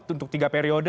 untuk tiga periode